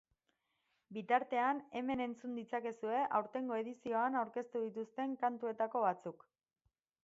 Bitartean, hemen entzun ditzakezue aurtengo edizioan aurkeztu dituzten kantuetako batzuk.